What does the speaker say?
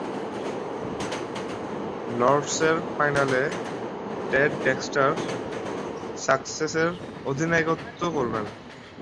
লর্ডসের ফাইনালে Ted Dexter সাসেক্সের অধিনায়কত্ব করেন।